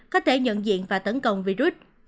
có thể nhận diện và tấn công virus